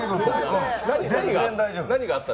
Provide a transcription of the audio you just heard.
何があった？